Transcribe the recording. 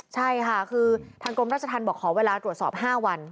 ใช่ค่ะคือทางกรมราชธรรมบอกขอเวลาตรวจสอบ๕วัน